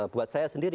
buat saya sendiri